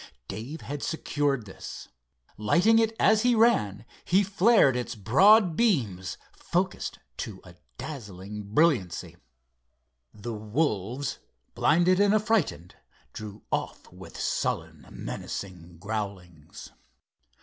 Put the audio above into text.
Dave had secured this. Lighting it as he ran, he flared its broad beams, focused to a dazzling brilliancy. The wolves, blinded and affrighted, drew off with sullen, menacing growlings.